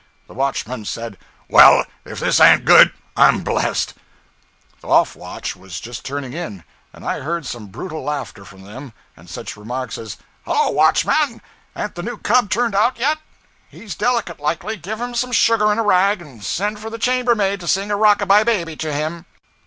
The watchman said 'Well, if this an't good, I'm blest.' The 'off watch' was just turning in, and I heard some brutal laughter from them, and such remarks as 'Hello, watchman! an't the new cub turned out yet? He's delicate, likely. Give him some sugar in a rag and send for the chambermaid to sing rock a by baby to him.'